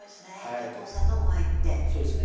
ちょっとお砂糖も入ってそうですね